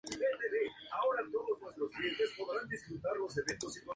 La explosión tuvo efectos devastadores, destruyendo completamente la población.